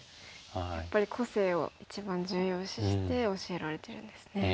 やっぱり個性を一番重要視して教えられてるんですね。